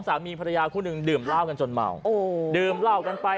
๒สามีพระธราคู่หนึ่งดื่มเหล้ากันจนเมา